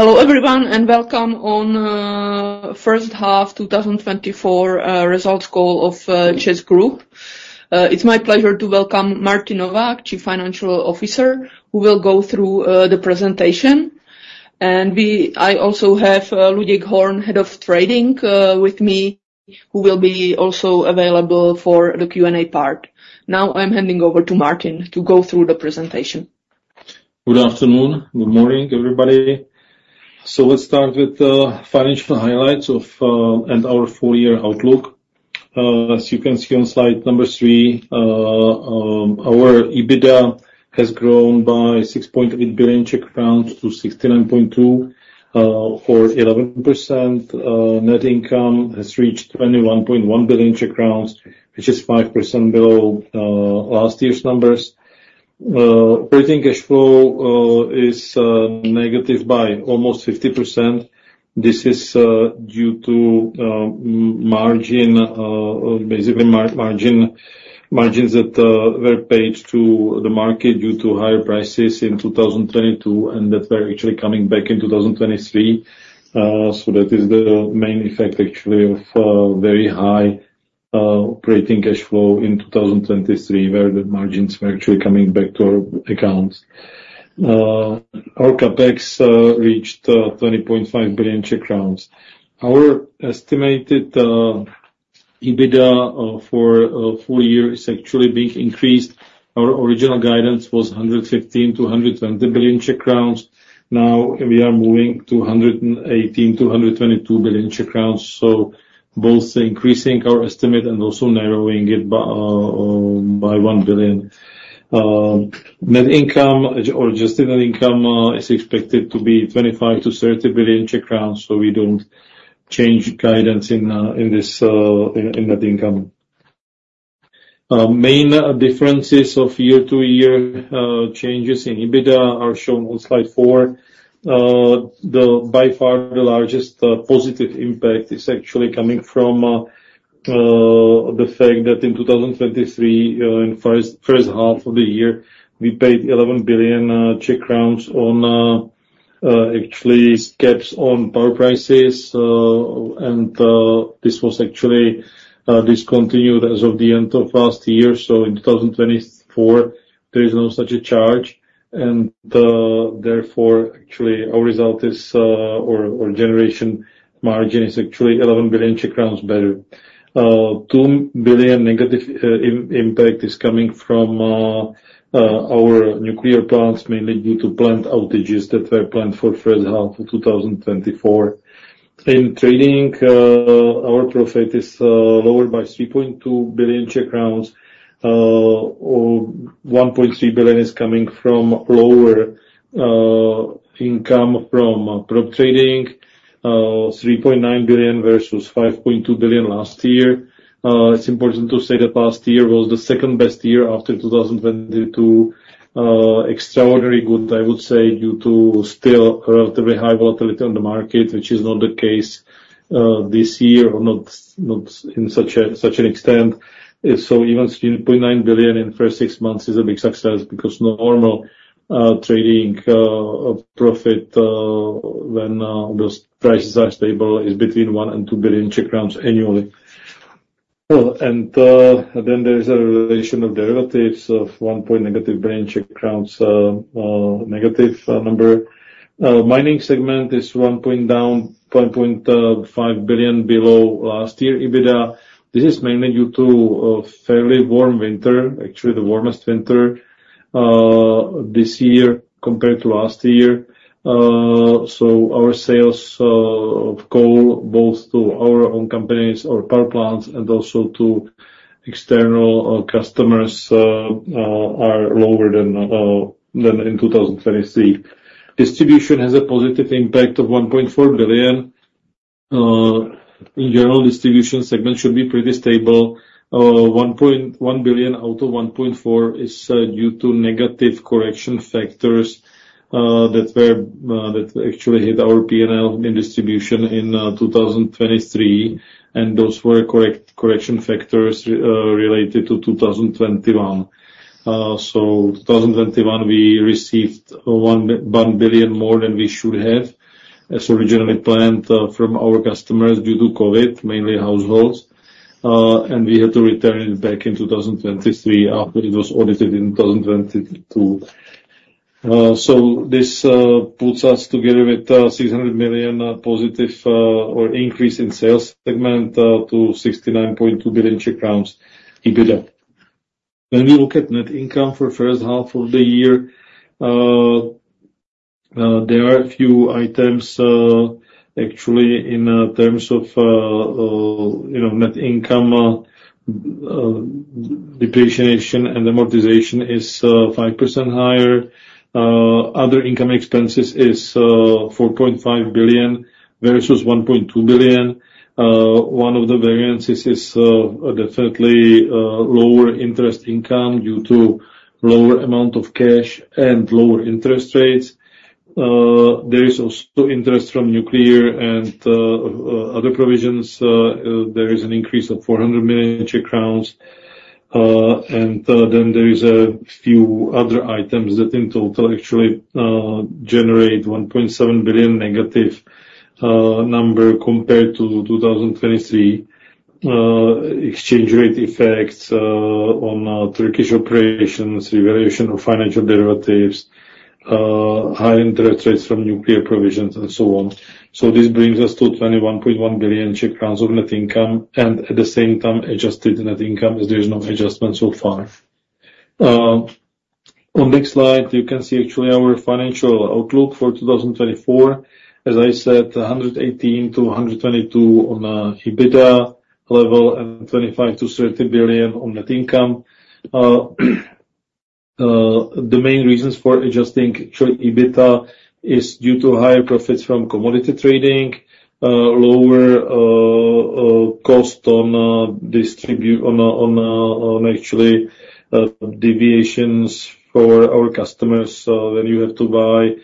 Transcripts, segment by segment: Hello everyone, and welcome on the first half 2024 results call of CEZ Group. It's my pleasure to welcome Martin Novák, Chief Financial Officer, who will go through the presentation. I also have Luděk Horn, Head of Trading, with me, who will be also available for the Q&A part. Now, I'm handing over to Martin to go through the presentation. Good afternoon. Good morning, everybody. So let's start with the financial highlights of, and our full year outlook. As you can see on slide number three, our EBITDA has grown by CZK 6.8 billion to CZK 69.2 billion, for 11%. Net income has reached CZK 21.1 billion, which is 5% below last year's numbers. Operating cash flow is negative by almost 50%. This is due to margin, basically margins that were paid to the market due to higher prices in 2022, and that were actually coming back in 2023. So that is the main effect, actually, of very high operating cash flow in 2023, where the margins were actually coming back to our accounts. Our CapEx reached 20.5 billion Czech crowns. Our estimated EBITDA for full year is actually being increased. Our original guidance was 115 billion-120 billion Czech crowns. Now, we are moving to 118 billion-122 billion Czech crowns, so both increasing our estimate and also narrowing it by 1 billion. Net income or adjusted net income is expected to be 25 billion-30 billion Czech crowns, so we don't change guidance in this net income. Main differences of year-to-year changes in EBITDA are shown on slide four. The by far largest positive impact is actually coming from the fact that in 2023, in first half of the year, we paid 11 billion Czech crowns on actually caps on power prices, and this was actually discontinued as of the end of last year. So in 2024, there is no such a charge, and therefore, actually, our result is, or generation margin is actually 11 billion Czech crowns better. Two billion negative impact is coming from our nuclear plants, mainly due to plant outages that were planned for first half of 2024. In trading, our profit is lower by 3.2 billion Czech crowns, or 1.3 billion is coming from lower income from prop trading, 3.9 billion versus 5.2 billion last year. It's important to say that last year was the second-best year after 2022. Extraordinary good, I would say, due to still relatively high volatility on the market, which is not the case this year, or not in such a such an extent. So even 3.9 billion in the first six months is a big success, because normal trading profit when those prices are stable is between 1 billion and 2 billion Czech crowns annually. And then there is a realization of derivatives of -1 billion Czech crowns, negative number. Mining segment is 1% down, 1.5 billion below last year EBITDA. This is mainly due to a fairly warm winter, actually the warmest winter, this year compared to last year. So our sales of coal, both to our own companies or power plants and also to external customers, are lower than in 2023. Distribution has a positive impact of 1.4 billion. In general, distribution segment should be pretty stable. 1.1 billion out of 1.4 billion is due to negative correction factors that actually hit our PNL in distribution in 2023, and those were correction factors related to 2021. So 2021, we received 1.1 billion more than we should have, as originally planned, from our customers due to COVID, mainly households, and we had to return it back in 2023 after it was audited in 2022. So this puts us together with 600 million positive or increase in sales segment to 69.2 billion Czech crowns EBITDA. When we look at net income for first half of the year, there are a few items, actually, in terms of, you know, net income. Depreciation and amortization is 5% higher. Other income expenses is 4.5 billion, versus 1.2 billion. One of the variances is definitely lower interest income due to lower amount of cash and lower interest rates. There is also interest from nuclear and other provisions; there is an increase of 400 million Czech crowns. And then there is a few other items that in total actually generate 1.7 billion negative number compared to 2023. Exchange rate effects on Turkish operations, revaluation of financial derivatives, high interest rates from nuclear provisions, and so on. So this brings us to 21.1 billion Czech crowns of net income, and at the same time, adjusted net income, as there is no adjustment so far. On this slide, you can see actually our financial outlook for 2024. As I said, 118 billion-122 billion on EBITDA level, and 25 billion-30 billion on net income. The main reasons for adjusting actually EBITDA is due to higher profits from commodity trading, lower cost on distribution, on actually deviations for our customers. When you have to buy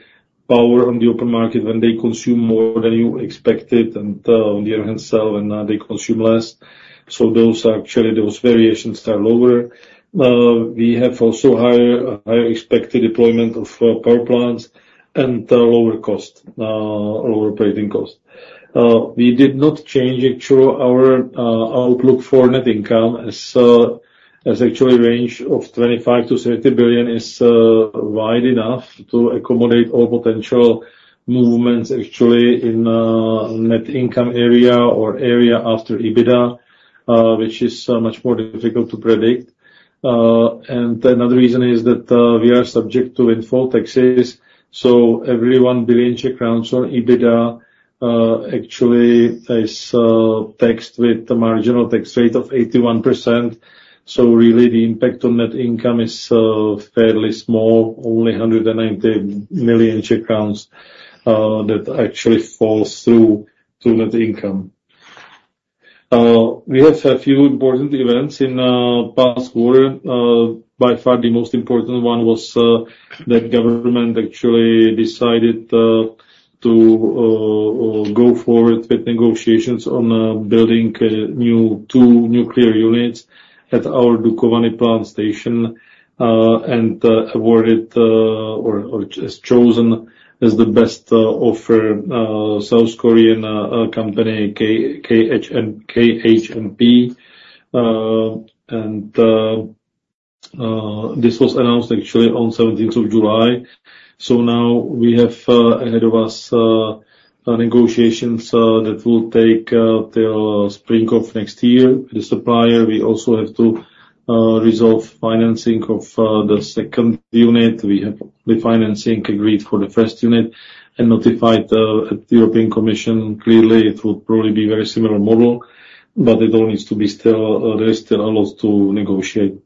power on the open market, when they consume more than you expected, and, on the other hand, sell when, they consume less. So those are actually, those variations are lower. We have also higher expected deployment of, power plants and lower cost, lower operating cost. We did not change actually our outlook for net income, as actually the range of 25 billion-30 billion is wide enough to accommodate all potential movements, actually, in net income area or area after EBITDA, which is much more difficult to predict. And another reason is that we are subject to windfall taxes, so every 1 billion Czech crowns on EBITDA actually is taxed with the marginal tax rate of 81%. So really, the impact on net income is fairly small, only 190 million that actually falls through to net income. We have a few important events in past quarter. By far, the most important one was that government actually decided to go forward with negotiations on building new two nuclear units at our Dukovany plant station, and awarded or just chosen as the best offer, South Korean company KHNP. And this was announced actually on seventeenth of July. So now we have ahead of us negotiations that will take till spring of next year. The supplier, we also have to resolve financing of the second unit. We have the financing agreed for the first unit and notified at the European Commission. Clearly, it would probably be very similar model, but it all needs to be still. There is still a lot to negotiate.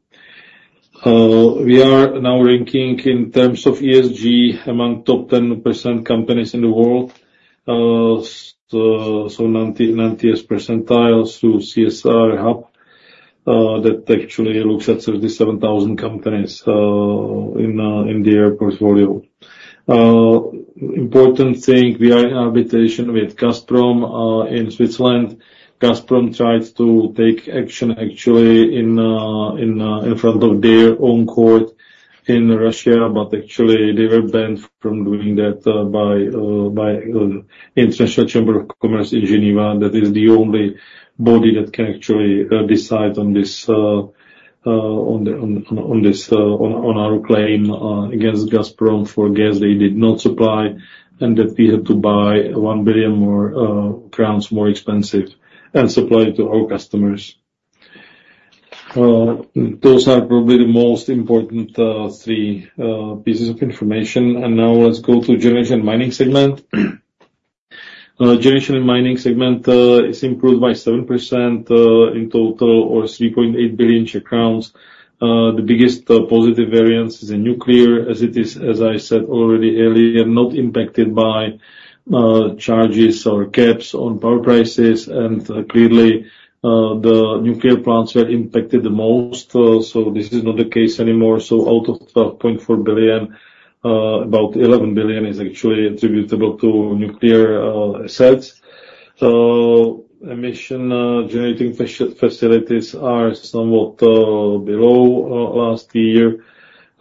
We are now ranking in terms of ESG among top 10% companies in the world. So, ninetieth percentile to CSRHub, that actually looks at 37,000 companies in their portfolio. Important thing, we are in arbitration with Gazprom in Switzerland. Gazprom tried to take action actually in front of their own court in Russia, but actually they were banned from doing that by International Chamber of Commerce in Geneva. That is the only body that can actually decide on this on our claim against Gazprom for gas they did not supply, and that we had to buy 1 billion crowns more expensive and supply it to our customers. Those are probably the most important three pieces of information. Now let's go to generation mining segment. Generation and mining segment is improved by 7%, in total, or 3.8 billion. The biggest positive variance is in nuclear, as it is, as I said already earlier, not impacted by charges or caps on power prices, and clearly the nuclear plants were impacted the most. So this is not the case anymore. So out of 12.4 billion, about 11 billion is actually attributable to nuclear assets. So emission generating facilities are somewhat below last year.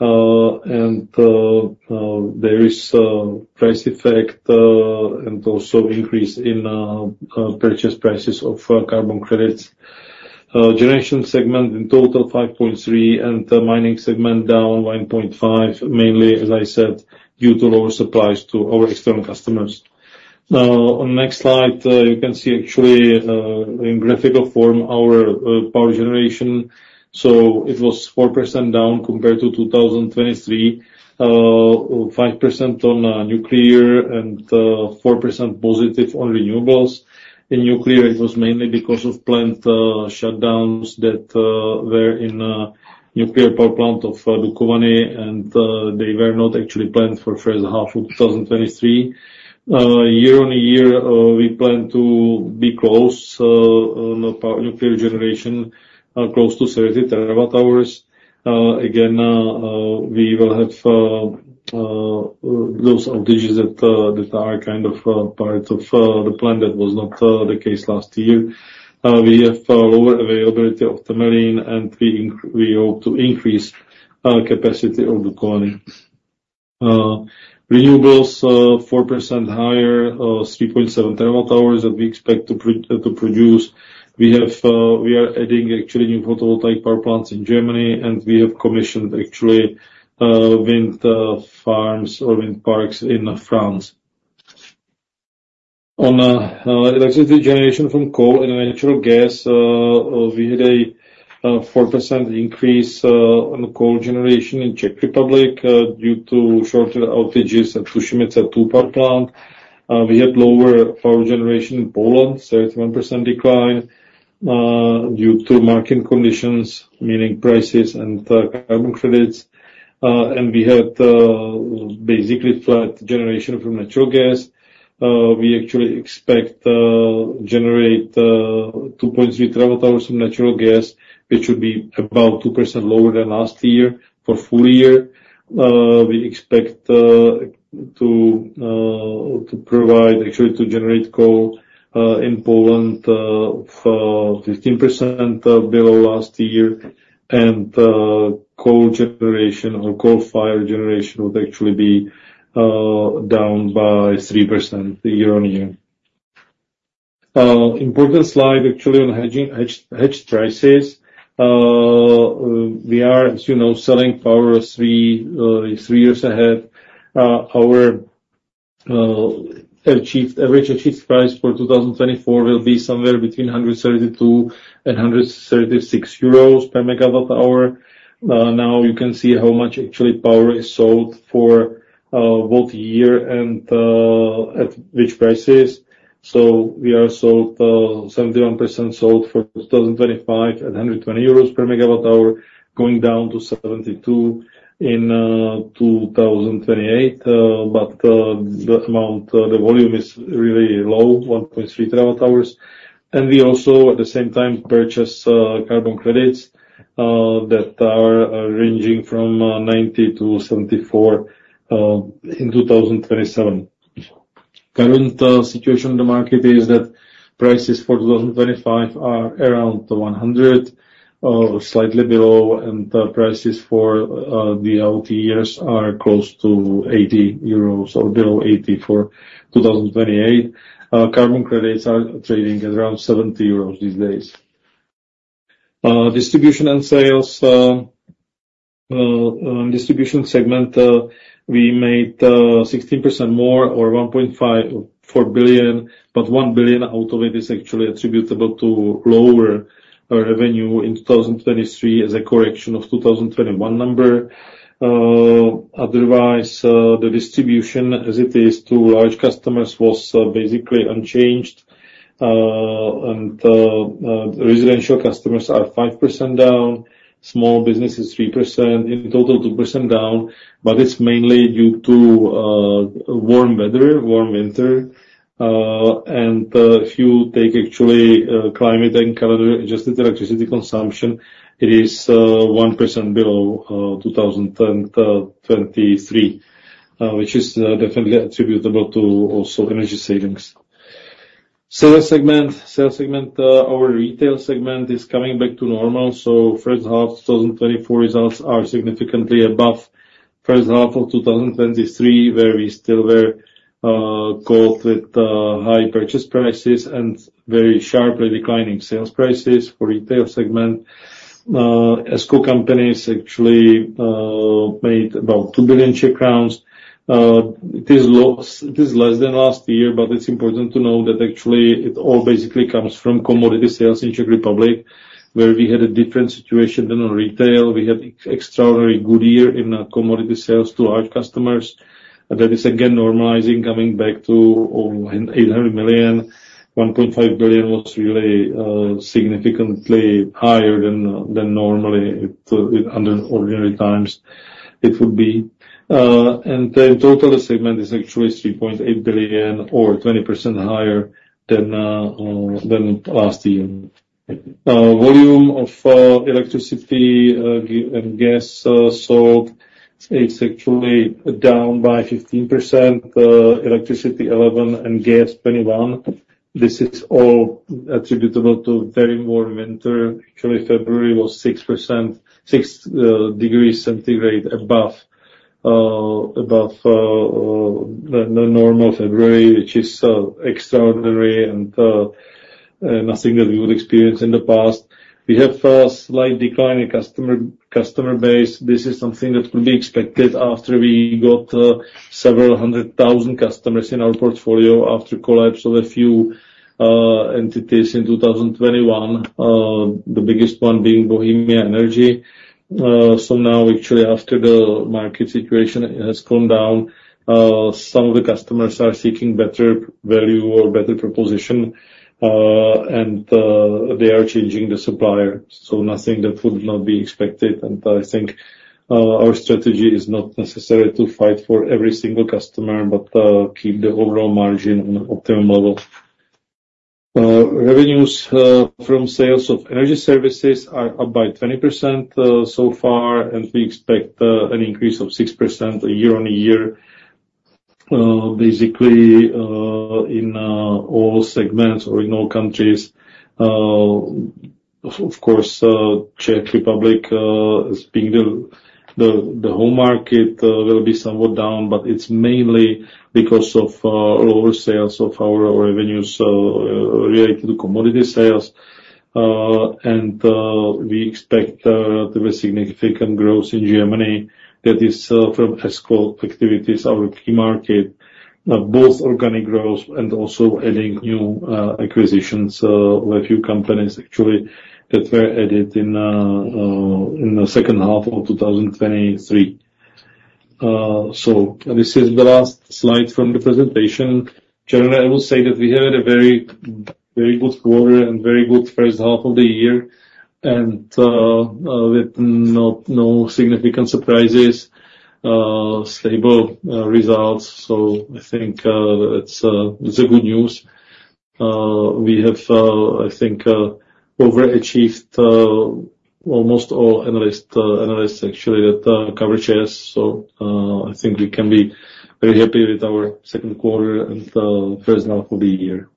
And there is a price effect, and also increase in purchase prices of carbon credits. Generation segment in total, 5.3, and the mining segment down 1.5, mainly, as I said, due to lower supplies to our external customers. On next slide, you can see actually, in graphical form our power generation. So it was 4% down compared to 2023, 5% on nuclear and 4% positive on renewables. In nuclear, it was mainly because of plant shutdowns that were in nuclear power plant of Dukovany, and they were not actually planned for first half of 2023. Year-on-year, we plan to be close on nuclear generation, close to 30 TWh. Again, we will have those outages that are kind of part of the plan. That was not the case last year. We have lower availability of the mine, and we hope to increase capacity of the colliery. Renewables 4% higher, 3.7 TWh that we expect to produce. We are adding actually new photovoltaic power plants in Germany, and we have commissioned actually wind farms or wind parks in France. On electricity generation from coal and natural gas, we had a 4% increase on coal generation in Czech Republic due to shorter outages at Tušimice II power plant. We had lower power generation in Poland, 31% decline, due to market conditions, meaning prices and carbon credits. And we had basically flat generation from natural gas. We actually expect generate 2.3 TWh from natural gas, which should be about 2% lower than last year. For full year, we expect to provide actually to generate coal in Poland for 15% below last year, and coal generation or coal-fired generation would actually be down by 3% year-on-year. Important slide actually on hedging prices. We are, as you know, selling power 3 years ahead. Our average achieved price for 2024 will be somewhere between 132 and EUR 136per MWh. Now you can see how much actually power is sold for both year and at which prices. So we are sold 71% for 2025 at 120 euros per MWh, going down to 72% in 2028. But that amount, the volume is really low, 1.3 TWh. And we also, at the same time, purchase carbon credits that are ranging from 90-74 in 2027. Current situation in the market is that prices for 2025 are around 100, slightly below, and the prices for the out years are close to 80 euros or below 80 for 2028. Carbon credits are trading at around 70 euros these days. Distribution and sales, distribution segment, we made 16% more or 1.54 billion, but 1 billion out of it is actually attributable to lower revenue in 2023 as a correction of 2021 number. Otherwise, the distribution, as it is to large customers, was basically unchanged. And, residential customers are 5% down, small business is 3%, in total, 2% down, but it's mainly due to warm weather, warm winter. And, if you take actually, climate and calendar-adjusted electricity consumption, it is 1% below 2023, which is definitely attributable to also energy savings. Sales segment, our retail segment is coming back to normal, so first half 2024 results are significantly above first half of 2023, where we still were caught with high purchase prices and very sharply declining sales prices for retail segment. ESCO companies actually made about 2 billion. It is less than last year, but it's important to know that actually it all basically comes from commodity sales in Czech Republic, where we had a different situation than in retail. We had extraordinary good year in commodity sales to large customers. That is, again, normalizing, coming back to 800 million. 1.5 billion was really significantly higher than normally it, under ordinary times it would be. The total segment is actually 3.8 billion or 20% higher than last year. Volume of electricity and gas sold is actually down by 15%, electricity 11%, and gas 21%. This is all attributable to very warm winter. Actually, February was 6.6 degrees Celsius above the normal February, which is extraordinary and nothing that we would experience in the past. We have a slight decline in customer base. This is something that could be expected after we got several hundred thousand customers in our portfolio after collapse of a few entities in 2021. The biggest one being Bohemia Energy. So now, actually, after the market situation has calmed down, some of the customers are seeking better value or better proposition, and they are changing the supplier, so nothing that would not be expected. And I think, our strategy is not necessary to fight for every single customer, but keep the overall margin on an optimal level. Revenues from sales of energy services are up by 20%, so far, and we expect an increase of 6% year-on-year, basically, in all segments or in all countries. Of course, Czech Republic, being the whole market, will be somewhat down, but it's mainly because of lower sales of our revenues related to commodity sales. And, we expect there be significant growth in Germany, that is, from ESCO activities, our key market, both organic growth and also adding new acquisitions, a few companies actually, that were added in the second half of 2023. So this is the last slide from the presentation. Generally, I will say that we had a very, very good quarter and very good first half of the year, and with no significant surprises, stable results. So I think it's a good news. We have, I think, overachieved almost all analysts actually that cover shares. So I think we can be very happy with our second quarter, and first half of the year.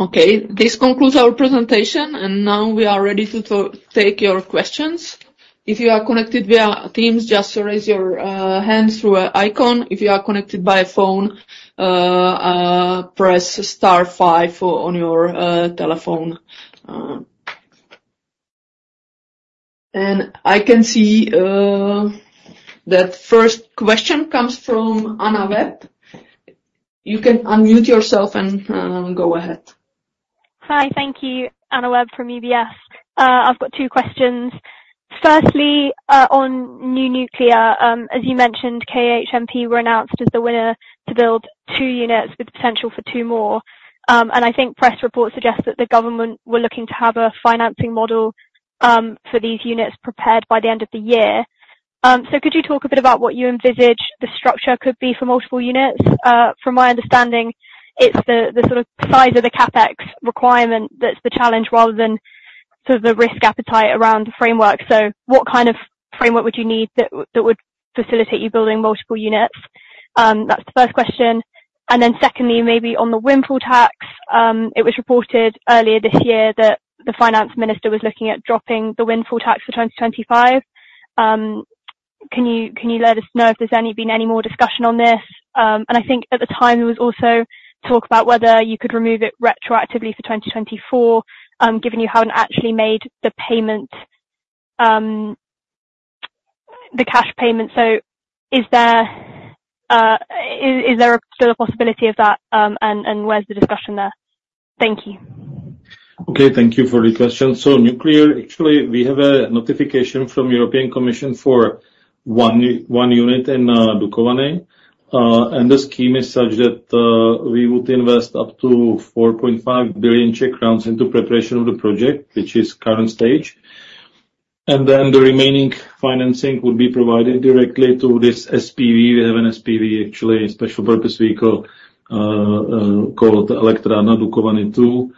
Okay, this concludes our presentation, and now we are ready to take your questions. If you are connected via Teams, just raise your hands through an icon. If you are connected by phone, press star five on your telephone. I can see that first question comes from Anna Webb. You can unmute yourself and go ahead. Hi, thank you. Anna Webb from UBS. I've got two questions. Firstly, on new nuclear, as you mentioned, KHNP were announced as the winner to build two units with potential for two more. And I think press reports suggest that the government were looking to have a financing model for these units prepared by the end of the year. So could you talk a bit about what you envisage the structure could be for multiple units? From my understanding, it's the, the sort of size of the CapEx requirement that's the challenge, rather than sort of the risk appetite around the framework. So what kind of framework would you need that, that would facilitate you building multiple units? That's the first question. And then secondly, maybe on the windfall tax. It was reported earlier this year that the Finance Minister was looking at dropping the Windfall Tax for 2025. Can you let us know if there's been any more discussion on this? And I think at the time, there was also talk about whether you could remove it retroactively for 2024, given you haven't actually made the payment, the cash payment. So is there still a possibility of that, and where's the discussion there? Thank you. Okay, thank you for the question. So nuclear, actually, we have a notification from European Commission for one unit in Dukovany. And the scheme is such that we would invest up to 4.5 billion Czech crowns into preparation of the project, which is current stage. And then the remaining financing would be provided directly to this SPV. We have an SPV, actually, Special Purpose Vehicle, called Elektrárna Dukovany II.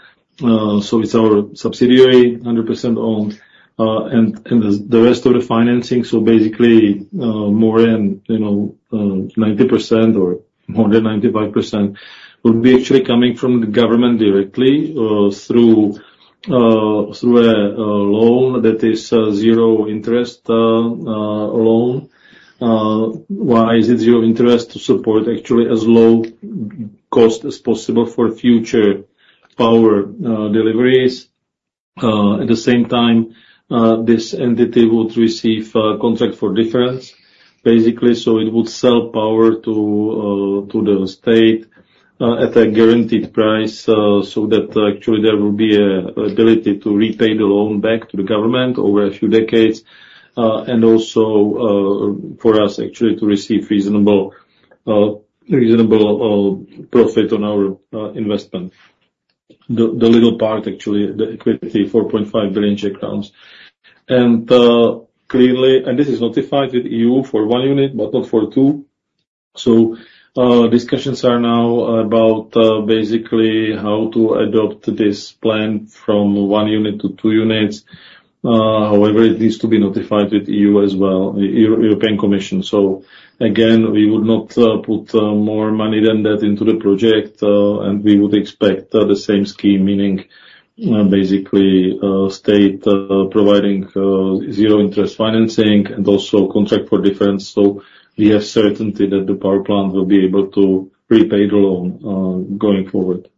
So it's our subsidiary, 100% owned, and the rest of the financing, so basically, more than, you know, 90% or more than 95%, would be actually coming from the government directly, through a loan that is a zero interest loan. Why is it zero interest? To support actually as low cost as possible for future power deliveries. At the same time, this entity would receive a contract for difference, basically, so it would sell power to the state at a guaranteed price, so that actually there will be an ability to repay the loan back to the government over a few decades, and also, for us actually to receive reasonable profit on our investment. The little part actually, the equity, 4.5 billion. And this is notified with EU for one unit, but not for two. So, discussions are now about, basically how to adopt this plan from one unit to two units. However, it needs to be notified with EU as well, the European Commission. So again, we would not put more money than that into the project, and we would expect the same scheme, meaning basically state providing zero interest financing and also contract for difference. So we have certainty that the power plant will be able to repay the loan going forward.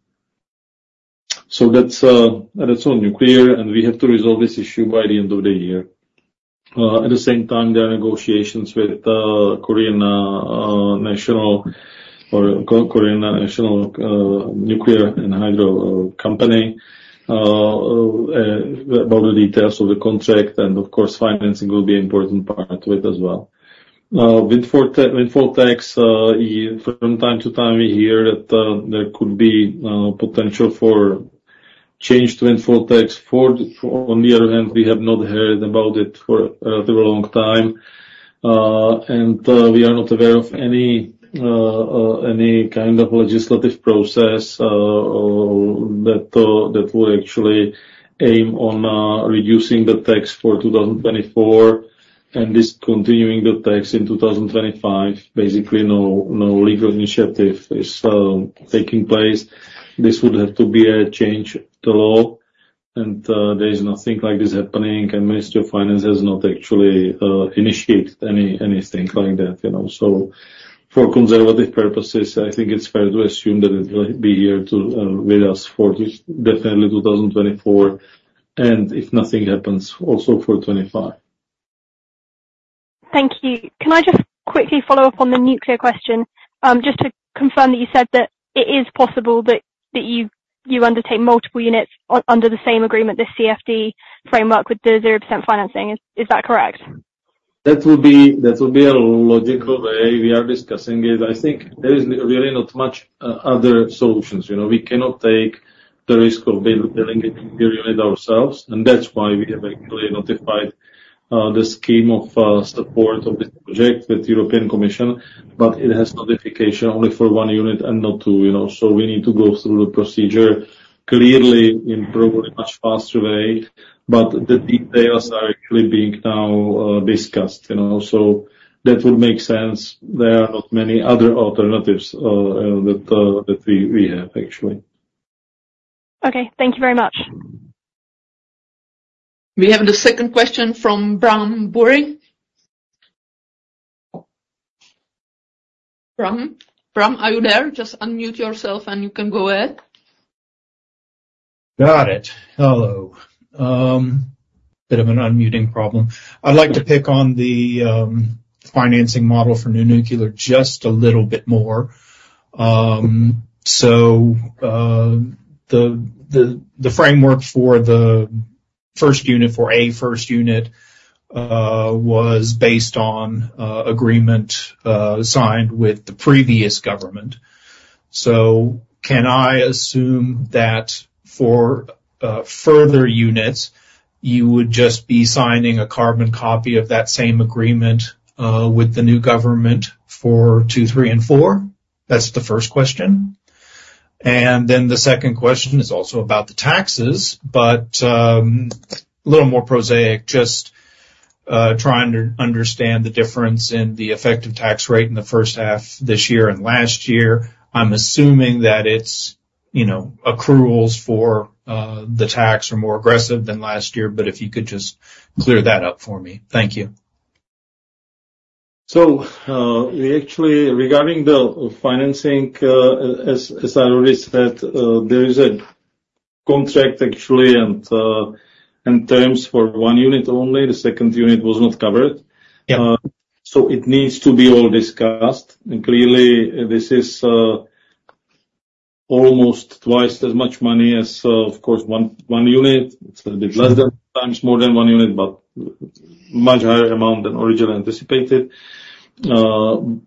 So that's on nuclear, and we have to resolve this issue by the end of the year. At the same time, there are negotiations with Korea Hydro and Nuclear Power Company about the details of the contract, and of course, financing will be an important part of it as well. Windfall tax from time to time, we hear that there could be potential for-... change to Windfall Tax for, on the other hand, we have not heard about it for a very long time. We are not aware of any any kind of legislative process that that would actually aim on reducing the tax for 2024, and discontinuing the tax in 2025. Basically, no, no legal initiative is taking place. This would have to be a change to law, and there is nothing like this happening, and Ministry of Finance has not actually initiated any anything like that, you know. So for conservative purposes, I think it's fair to assume that it will be here to, with us for this, definitely 2024, and if nothing happens, also for 2025. Thank you. Can I just quickly follow up on the nuclear question? Just to confirm that you said that it is possible that you undertake multiple units under the same agreement, the CFD framework, with the 0% financing. Is that correct? That will be a logical way. We are discussing it. I think there is really not much other solutions, you know? We cannot take the risk of building it, the unit ourselves, and that's why we have actually notified the scheme of support of this project with European Commission, but it has notification only for one unit and not two, you know. So we need to go through the procedure, clearly in probably much faster way, but the details are actually being now discussed, you know. So that would make sense. There are not many other alternatives that we have, actually. Okay, thank you very much. We have the second question from Bram Buring. Bram? Bram, are you there? Just unmute yourself, and you can go ahead. Got it. Hello. Bit of an unmuting problem. I'd like to pick on the financing model for new nuclear just a little bit more. So the framework for the first unit, for a first unit, was based on agreement signed with the previous government. So can I assume that for further units, you would just be signing a carbon copy of that same agreement with the new government for two, three, and four? That's the first question. And then the second question is also about the taxes, but a little more prosaic, just trying to understand the difference in the effective tax rate in the first half this year and last year. I'm assuming that it's, you know, accruals for the tax are more aggressive than last year, but if you could just clear that up for me. Thank you. So, we actually, regarding the financing, as I already said, there is a contract actually and terms for one unit only. The second unit was not covered. Yeah. So it needs to be all discussed, and clearly, this is almost twice as much money as, of course, one unit. It's a bit less than times more than one unit, but much higher amount than originally anticipated. So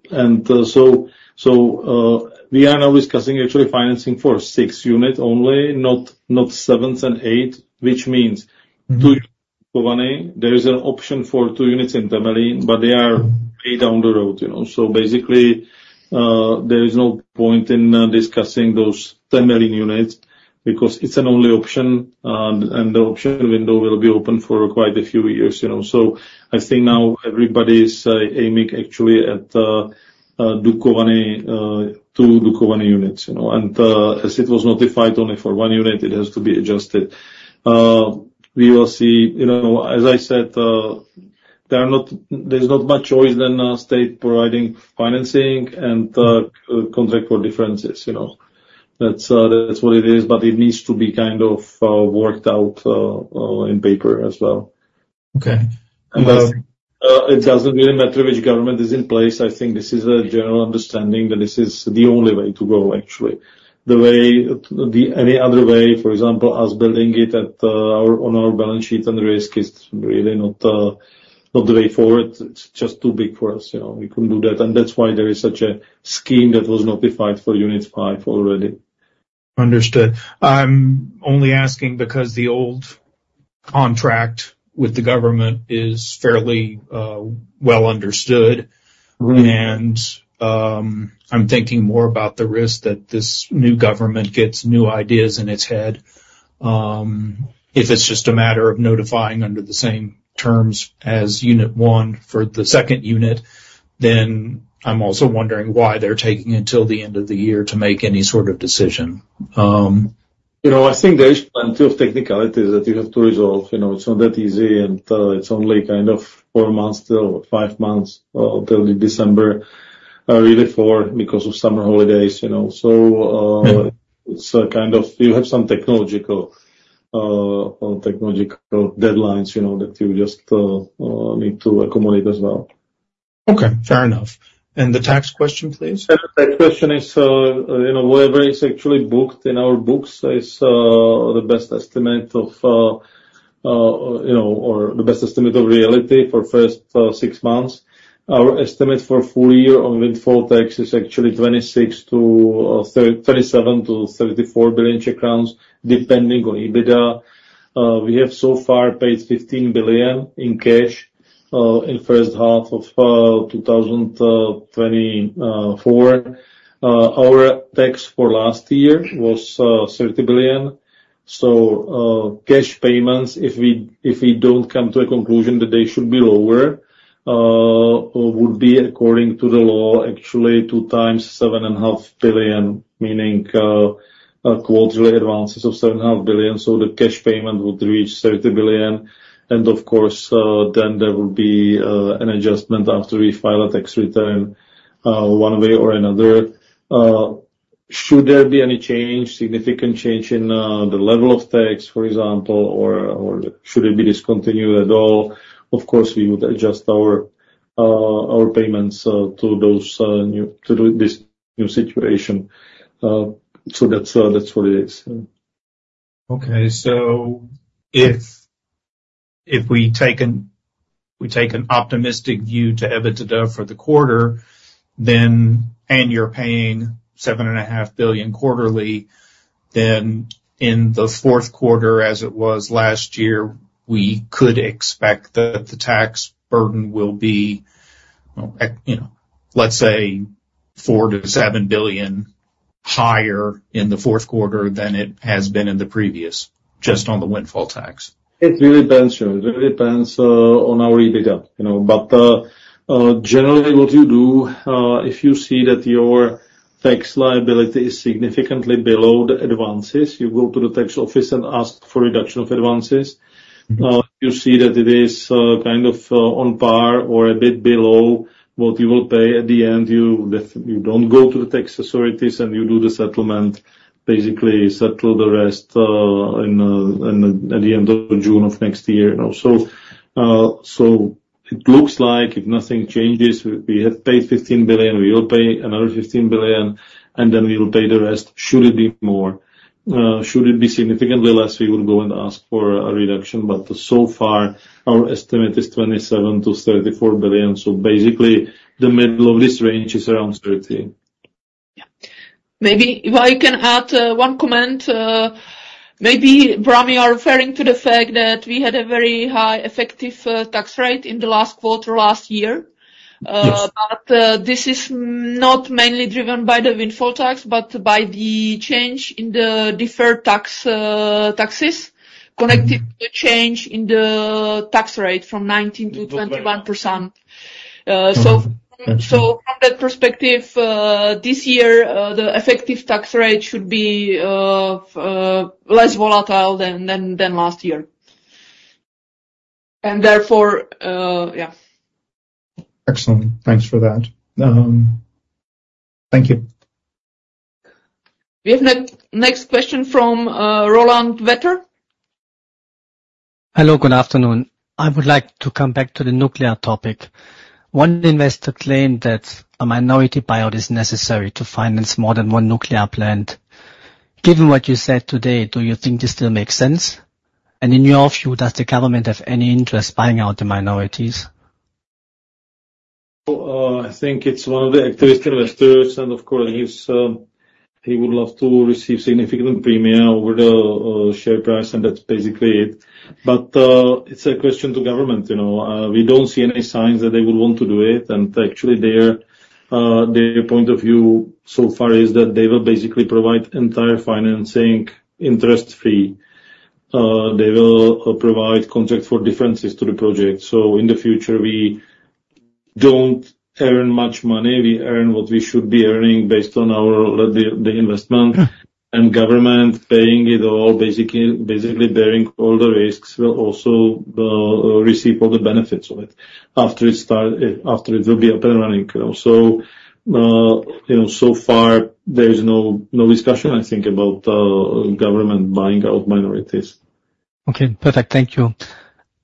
we are now discussing actually financing for six unit only, not seventh and eighth, which means- Mm-hmm... there is an option for two units in Temelín, but they are way down the road, you know? So basically, there is no point in discussing those Temelín units because it's an only option, and the option window will be open for quite a few years, you know. So I think now everybody is aiming actually at Dukovany, two Dukovany units, you know? And, as it was notified only for one unit, it has to be adjusted. We will see. You know, as I said, there is not much choice than state providing financing and contract for differences, you know. That's what it is, but it needs to be kind of worked out in paper as well. Okay. It doesn't really matter which government is in place. I think this is a general understanding that this is the only way to go, actually. The way, the any other way, for example, us building it at, our on our balance sheet and risk is really not, not the way forward. It's just too big for us, you know? We couldn't do that, and that's why there is such a scheme that was notified for unit five already. Understood. I'm only asking because the old contract with the government is fairly, well understood. Mm-hmm. I'm thinking more about the risk that this new government gets new ideas in its head. If it's just a matter of notifying under the same terms as unit one for the second unit, then I'm also wondering why they're taking until the end of the year to make any sort of decision. You know, I think there is plenty of technicalities that you have to resolve. You know, it's not that easy, and, it's only kind of 4 months till or 5 months, until the December. Really 4, because of summer holidays, you know. So, Mm-hmm... it's a kind of, you have some technological, technological deadlines, you know, that you just need to accommodate as well. Okay, fair enough. The tax question, please? The tax question is, you know, whatever is actually booked in our books is the best estimate of reality for first 6 months. Our estimate for full year on Windfall Tax is actually 27 billion-34 billion Czech crowns, depending on EBITDA. We have so far paid 15 billion in cash in first half of 2024. Our tax for last year was 30 billion. So, cash payments, if we don't come to a conclusion that they should be lower, would be, according to the law, actually 2x, 7.5 billion, meaning, a quarterly advances of 7.5 billion, so the cash payment would reach 30 billion. Of course, then there will be an adjustment after we file a tax return, one way or another. Should there be any change, significant change in the level of tax, for example, or should it be discontinued at all, of course, we would adjust our payments to this new situation. So that's what it is. Okay. So if we take an optimistic view to EBITDA for the quarter, then and you're paying 7.5 billion quarterly, then in the fourth quarter, as it was last year, we could expect that the tax burden will be, you know, let's say, 4 biilion-CZK 7 billion higher in the fourth quarter than it has been in the previous, just on the windfall tax. It really depends, it really depends, on our EBITDA, you know. But, generally, what you do, if you see that your tax liability is significantly below the advances, you go to the tax office and ask for reduction of advances. Mm-hmm. You see that it is kind of on par or a bit below what you will pay at the end, you don't go to the tax authorities, and you do the settlement, basically settle the rest in the at the end of June of next year, you know. So, so it looks like if nothing changes, we, we have paid 15 billion, we will pay another 15 billion, and then we will pay the rest should it be more. Should it be significantly less, we would go and ask for a reduction, but so far, our estimate is 27 billion-34 billion. So basically, the middle of this range is around 30 billion. Yeah. Maybe if I can add one comment, maybe Bram are referring to the fact that we had a very high effective tax rate in the last quarter, last year. Yes. But this is not mainly driven by the windfall tax, but by the change in the deferred tax, taxes- Mm-hmm connecting the change in the tax rate from 19%-21%. Mm-hmm. Uh, so- That's it. So from that perspective, this year, the effective tax rate should be less volatile than last year. And therefore, yeah. Excellent. Thanks for that. Thank you. We have next question from Roland Vetter. Hello, good afternoon. I would like to come back to the nuclear topic. One investor claimed that a minority buyout is necessary to finance more than one nuclear plant. Given what you said today, do you think this still makes sense? And in your view, does the government have any interest buying out the minorities? I think it's one of the activist investors, and of course, he would love to receive significant premium over the share price, and that's basically it. But it's a question to government, you know. We don't see any signs that they would want to do it, and actually, their point of view so far is that they will basically provide entire financing interest-free. They will provide contract for differences to the project. So in the future, we don't earn much money. We earn what we should be earning based on our investment. Mm-hmm. Government paying it all, basically, basically bearing all the risks, will also receive all the benefits of it after it will be up and running, you know. You know, so far, there is no, no discussion, I think, about government buying out minorities. Okay, perfect. Thank you.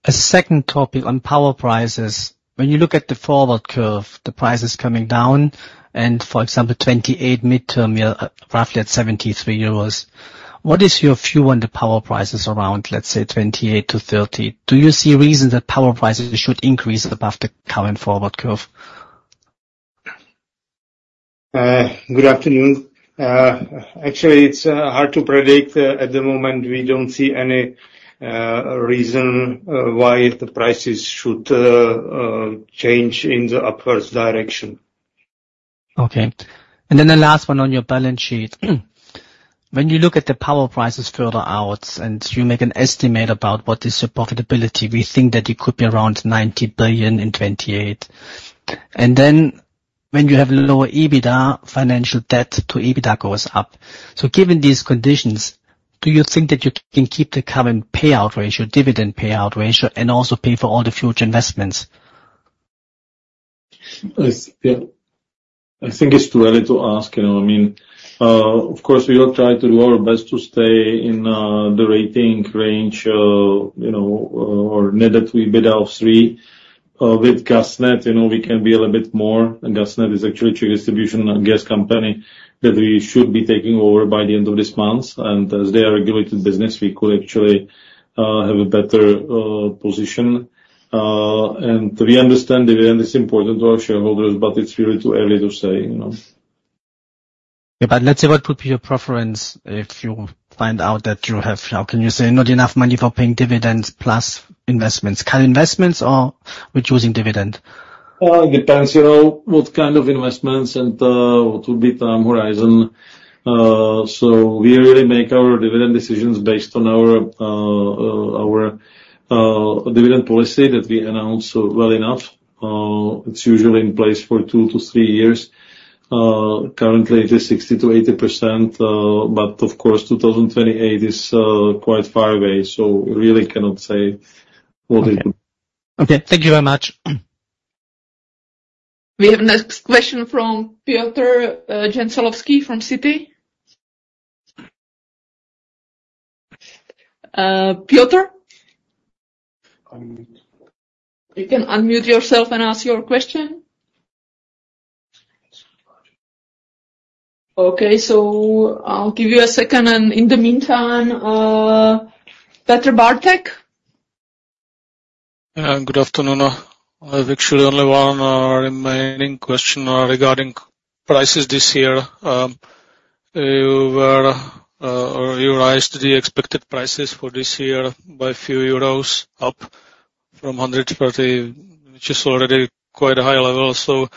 A second topic on power prices: when you look at the forward curve, the price is coming down, and for example, 2028 midterm year, roughly at 73 euros. What is your view on the power prices around, let's say, 2028 to 2030? Do you see a reason that power prices should increase above the current forward curve? Good afternoon. Actually, it's hard to predict. At the moment, we don't see any reason why the prices should change in the upwards direction. Okay. And then the last one on your balance sheet. When you look at the power prices further out, and you make an estimate about what is your profitability, we think that it could be around 90 billion in 2028. And then when you have lower EBITDA, financial debt to EBITDA goes up. So given these conditions, do you think that you can keep the current payout ratio, dividend payout ratio, and also pay for all the future investments? Yeah. I think it's too early to ask, you know. I mean, of course, we will try to do our best to stay in the rating range, you know, or net debt to EBITDA of three.... with GasNet, you know, we can be a little bit more. And GasNet is actually a distribution and gas company that we should be taking over by the end of this month, and as they are a regulated business, we could actually have a better position. And we understand dividend is important to our shareholders, but it's really too early to say, you know? But let's say, what would be your preference if you find out that you have, how can you say, not enough money for paying dividends plus investments? Cut investments or reducing dividend? It depends, you know, what kind of investments and what would be time horizon. So we really make our dividend decisions based on our dividend policy that we announced well enough. It's usually in place for 2-3 years. Currently, it is 60%-80%, but of course, 2028 is quite far away, so we really cannot say what it will- Okay. Thank you very much. We have the next question from Piotr Dzieciołowski from Citi. Piotr? Unmute. You can unmute yourself and ask your question. Okay, so I'll give you a second, and in the meantime, Petr Bártek? Good afternoon. I have actually only one remaining question regarding prices this year. You were or you raised the expected prices for this year by a few EUR, up from 130, which is already quite a high level. So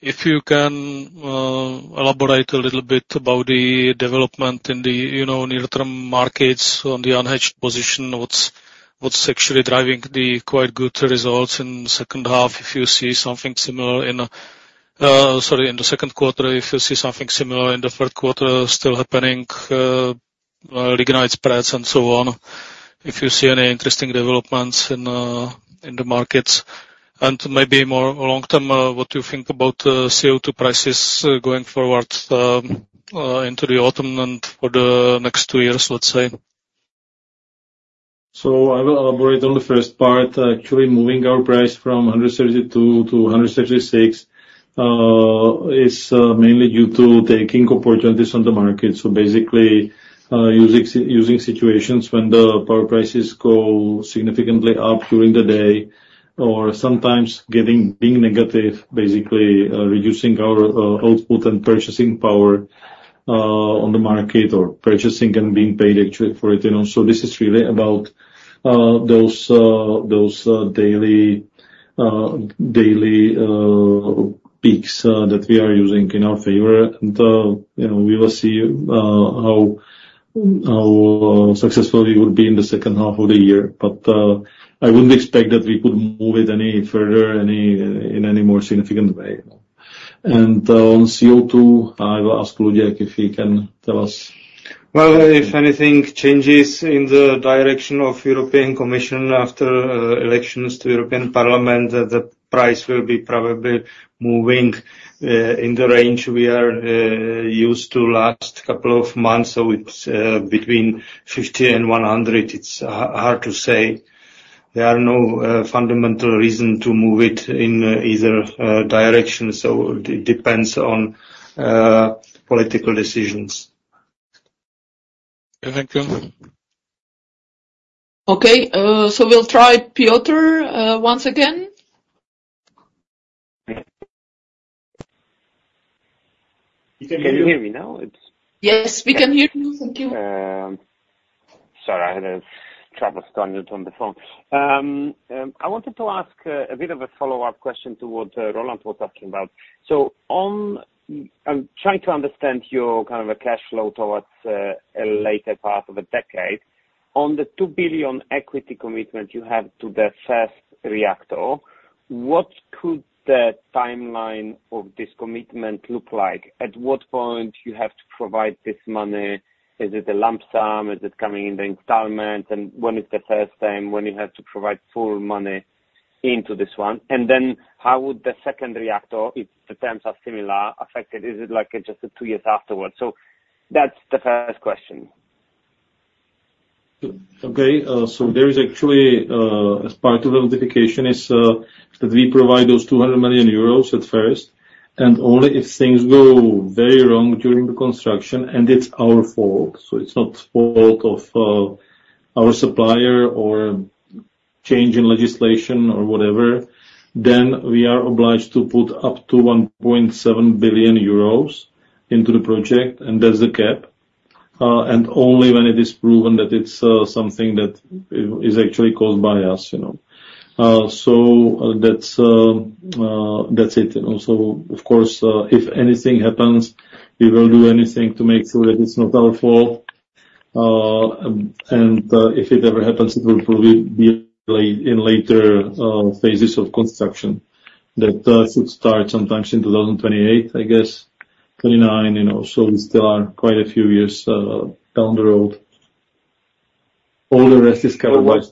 if you can elaborate a little bit about the development in the, you know, near-term markets on the unhedged position, what's actually driving the quite good results in the second half? If you see something similar in... Sorry, in the second quarter, if you see something similar in the third quarter still happening, lignite spreads and so on. If you see any interesting developments in the markets, and maybe more long-term, what you think about CO2 prices going forward into the autumn and for the next two years, let's say. So I will elaborate on the first part. Actually, moving our price from 132 to 136 is mainly due to taking opportunities on the market. So basically, using situations when the power prices go significantly up during the day, or sometimes being negative, basically reducing our output and purchasing power on the market, or purchasing and being paid actually for it, you know. So this is really about those daily peaks that we are using in our favor. And you know, we will see how successful we would be in the second half of the year. But I wouldn't expect that we could move it any further, any, in any more significant way. On CO2, I will ask Luděk if he can tell us. Well, if anything changes in the direction of European Commission after elections to European Parliament, the price will be probably moving in the range we are used to last couple of months. So it's between 50 and 100. It's hard to say. There are no fundamental reason to move it in either direction, so it depends on political decisions. Thank you. Okay, so we'll try Piotr once again. Can you hear me now? Yes, we can hear you. Thank you. Sorry, I had a trouble staying on the phone. I wanted to ask a bit of a follow-up question to what Roland was talking about. So, I'm trying to understand your kind of a cash flow towards a later part of a decade. On the 2 billion equity commitment you have to the first reactor, what could the timeline of this commitment look like? At what point you have to provide this money? Is it a lump sum? Is it coming in the installment? And when is the first time when you have to provide full money into this one? And then how would the second reactor, if the terms are similar, affected? Is it like just two years afterwards? So that's the first question. Okay. So there is actually, as part of the notification, is that we provide those 200 million euros at first, and only if things go very wrong during the construction, and it's our fault, so it's not fault of, our supplier or change in legislation or whatever, then we are obliged to put up to 1.7 billion euros into the project, and that's the cap. And only when it is proven that it's, something that is, is actually caused by us, you know. So that's, that's it. And also, of course, if anything happens, we will do anything to make sure that it's not our fault. And, if it ever happens, it will probably be late, in later, phases of construction. That should start sometime in 2028, I guess, 2029, you know, so we still are quite a few years down the road. All the rest is covered by-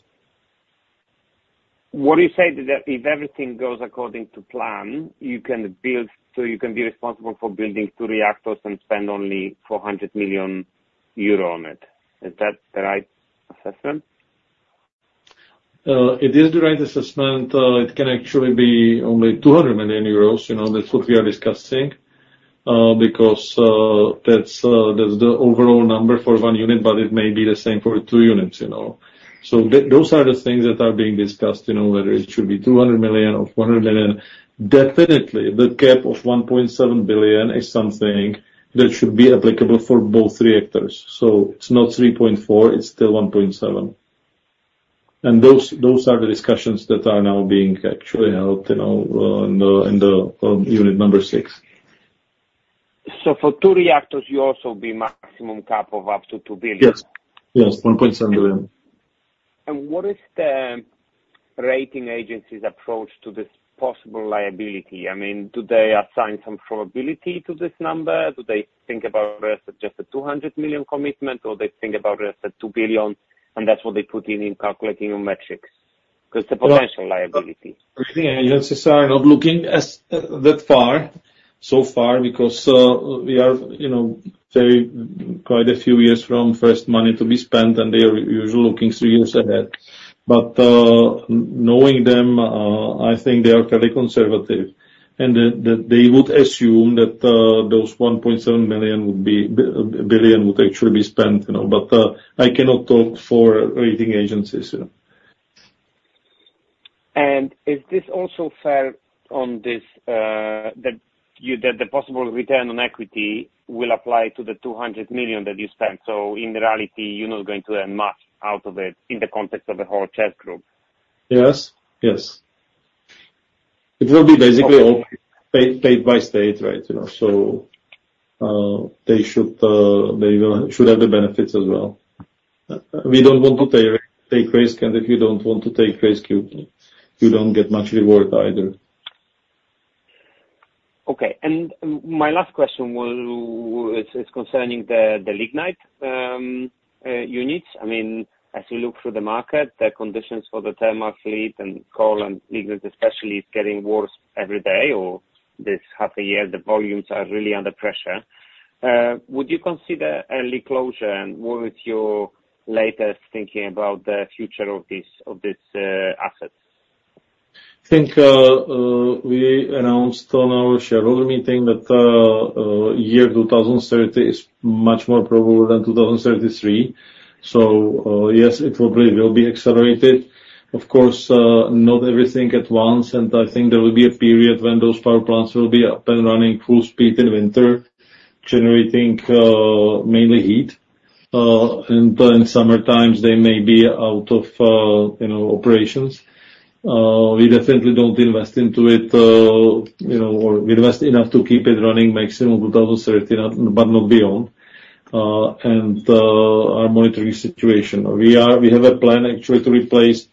What do you say that if everything goes according to plan, you can build, so you can be responsible for building two reactors and spend only 400 million euro on it? Is that the right- It is the right assessment. It can actually be only 200 million euros, you know, that's what we are discussing, because, that's the overall number for one unit, but it may be the same for two units, you know. So those are the things that are being discussed, you know, whether it should be 200 million or 100 million. Definitely, the cap of 1.7 billion is something that should be applicable for both reactors. So it's not 3.4, it's still 1.7. And those are the discussions that are now being actually held, you know, in the unit number six. So for 2 reactors, would that also be a maximum CapEx of up to 2 billion? Yes. Yes, 1.7 billion. What is the rating agency's approach to this possible liability? I mean, do they assign some probability to this number? Do they think about it as just a 200 million commitment, or they think about it as a 2 billion, and that's what they put in, in calculating your metrics? 'Cause the potential liability. Actually, agencies are not looking that far so far, because we are, you know, quite a few years from first money to be spent, and they are usually looking three years ahead. But knowing them, I think they are fairly conservative, and that they would assume that those 1.7 billion would actually be spent, you know. But I cannot talk for rating agencies, you know. And is this also fair on this, that you... that the possible return on equity will apply to the 200 million that you spent? So in reality, you're not going to earn much out of it, in the context of the whole CEZ Group. Yes, yes. It will be basically all state by state, right? You know, so they should, they will, should have the benefits as well. We don't want to take, take risk, and if you don't want to take risk, you, you don't get much reward either. Okay, and my last question is concerning the lignite units. I mean, as you look through the market, the conditions for the thermal fleet and coal and lignite especially, is getting worse every day or this half a year, the volumes are really under pressure. Would you consider early closure, and what is your latest thinking about the future of this assets? I think, we announced on our shareholder meeting that year 2030 is much more probable than 2033. So, yes, it will be, will be accelerated. Of course, not everything at once, and I think there will be a period when those power plants will be up and running full speed in winter, generating mainly heat. And summer times, they may be out of, you know, operations. We definitely don't invest into it, you know, or we invest enough to keep it running maximum 2030, but not beyond. And our monetary situation. We have a plan actually to replace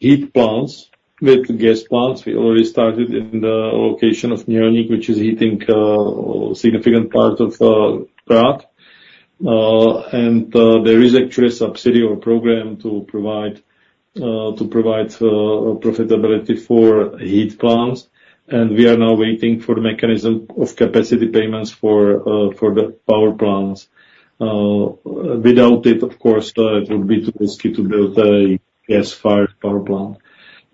heat plants with gas plants. We already started in the location of Mělník, which is heating a significant part of Prague. There is actually a subsidiary program to provide profitability for heat plants, and we are now waiting for the mechanism of capacity payments for the power plants. Without it, of course, it would be too risky to build a gas-fired power plant.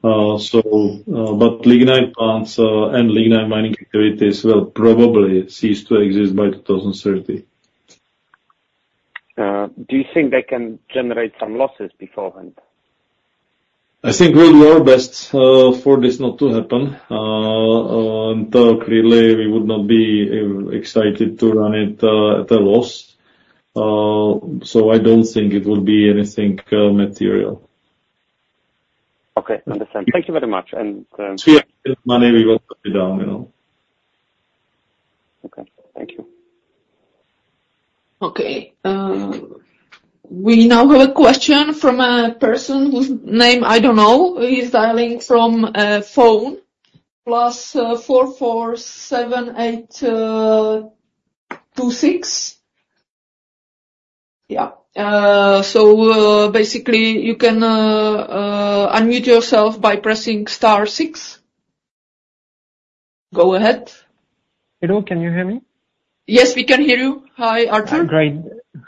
But lignite plants and lignite mining activities will probably cease to exist by 2030. Do you think they can generate some losses beforehand? I think we'll do our best for this not to happen. And clearly, we would not be excited to run it at a loss. So I don't think it would be anything material. Okay, understand. Thank you very much, and- See, money we will put it down, you know? Okay, thank you. Okay, we now have a question from a person whose name I don't know. He's dialing from a phone, plus 44 78 26. Yeah, so basically, you can unmute yourself by pressing star six. Go ahead. Hello, can you hear me? Yes, we can hear you. Hi, Arthur. Great.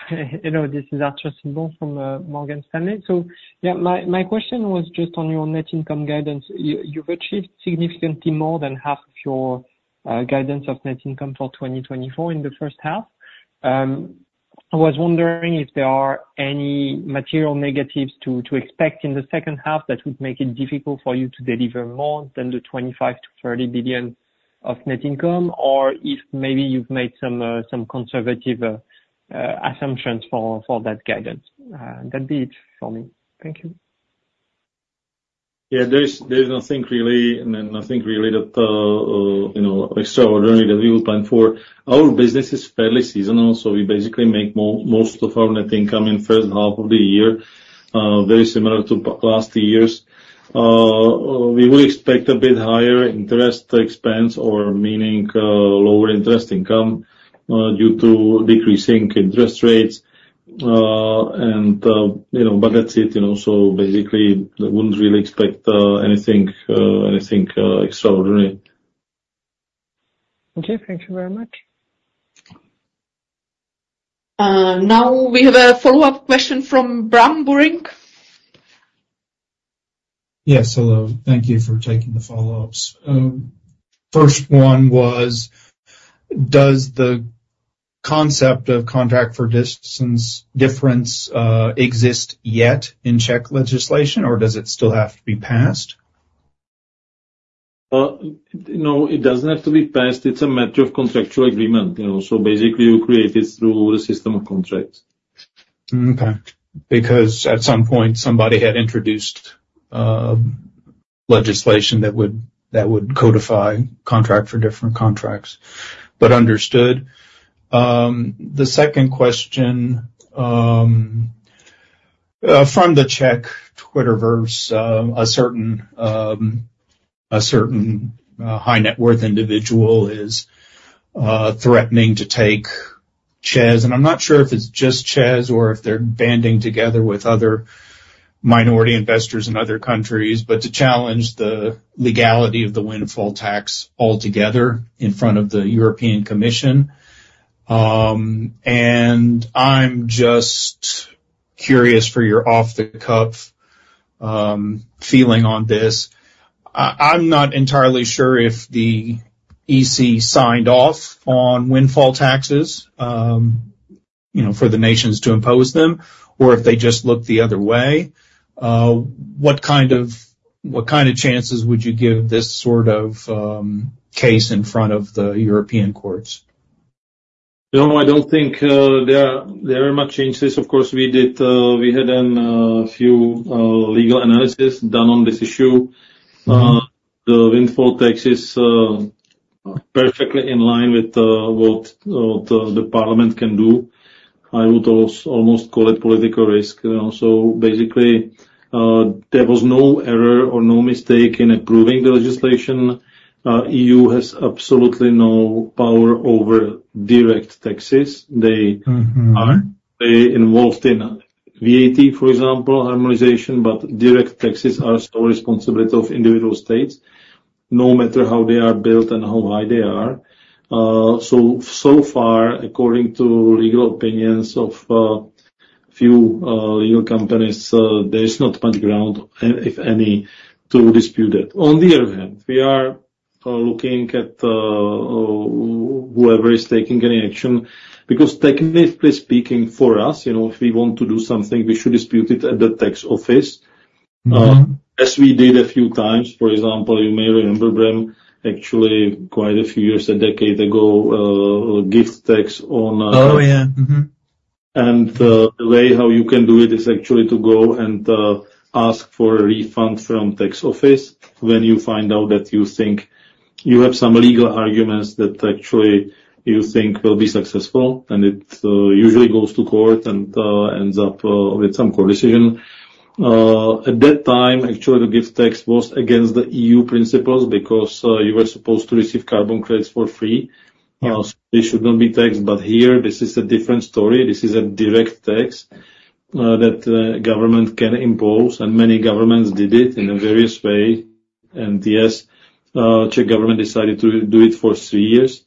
Hello, this is Arthur Sitbon from Morgan Stanley. So yeah, my question was just on your net income guidance. You've achieved significantly more than half of your guidance of net income for 2024 in the first half. I was wondering if there are any material negatives to expect in the second half that would make it difficult for you to deliver more than the 25 billion-30 billion of net income, or if maybe you've made some conservative assumptions for that guidance? That'd be it for me. Thank you. Yeah, there's nothing really, nothing really that you know extraordinary that we will plan for. Our business is fairly seasonal, so we basically make most of our net income in first half of the year, very similar to last years. We will expect a bit higher interest expense, meaning lower interest income due to decreasing interest rates. And you know, but that's it, you know, so basically, I wouldn't really expect anything extraordinary. Okay, thank you very much. Now we have a follow-up question from Bram Buring. Yes, hello. Thank you for taking the follow-ups. First one was, does the concept of contract for difference exist yet in Czech legislation, or does it still have to be passed? No, it doesn't have to be passed. It's a matter of contractual agreement, you know. So basically, you create it through the system of contracts. Okay. Because at some point, somebody had introduced legislation that would, that would codify contract for difference contracts, but understood. The second question from the Czech Twitterverse, a certain high net worth individual is threatening to take CEZ, and I'm not sure if it's just CEZ or if they're banding together with other minority investors in other countries, but to challenge the legality of the windfall tax altogether in front of the European Commission. And I'm just curious for your off-the-cuff feeling on this. I'm not entirely sure if the EC signed off on windfall taxes, you know, for the nations to impose them, or if they just looked the other way. What kind of chances would you give this sort of case in front of the European courts? No, I don't think there are much changes. Of course, we had done few legal analysis done on this issue. Mm-hmm. The windfall tax is perfectly in line with what the parliament can do. I would also almost call it political risk, you know. So basically, there was no error or no mistake in approving the legislation. EU has absolutely no power over direct taxes. Mm-hmm. They are involved in VAT, for example, harmonization, but direct taxes are sole responsibility of individual states, no matter how they are built and how high they are. So far, according to legal opinions of a few legal companies, there is not much ground, if any, to dispute it. On the other hand, we are looking at whoever is taking any action, because technically speaking for us, you know, if we want to do something, we should dispute it at the tax office. Mm-hmm. As we did a few times, for example, you may remember, Bram, actually, quite a few years, a decade ago, gift tax on, Oh, yeah. Mm-hmm. The way how you can do it is actually to go and ask for a refund from tax office when you find out that you think you have some legal arguments that actually you think will be successful, and it usually goes to court and ends up with some court decision. At that time, actually, the gift tax was against the EU principles because you were supposed to receive carbon credits for free. Yes. They should not be taxed, but here this is a different story. This is a direct tax that government can impose, and many governments did it in a various way. And yes, Czech government decided to do it for 3 years